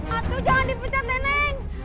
aduh jangan dipecat neneng